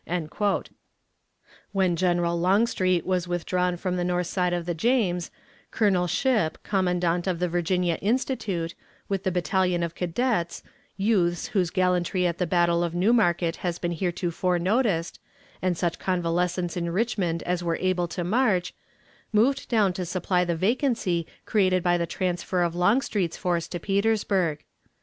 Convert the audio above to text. When General Longstreet was withdrawn from the north side of the James, Colonel Shipp, Commandant of the Virginia Institute, with the Battalion of Cadets, youths whose gallantry at the battle of New Market has been heretofore noticed, and such convalescents in Richmond as were able to march, moved down to supply the vacancy created by the transfer of Longstreet's force to Petersburg.